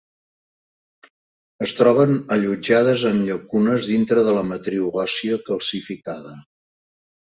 Es troben allotjades en llacunes dintre de la matriu òssia calcificada.